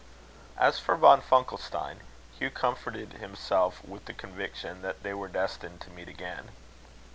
As for Von Funkelstein, Hugh comforted himself with the conviction that they were destined to meet again.